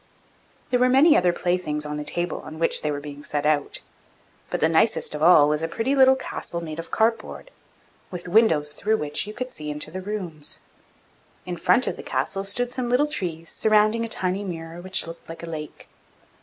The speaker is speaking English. There were many other playthings on the table on which they were being set out, but the nicest of all was a pretty little castle made of cardboard, with windows through which you could see into the rooms. In front of the castle stood some little trees surrounding a tiny mirror which looked like a lake.